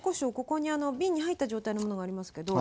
ここに瓶に入った状態のものがありますけど。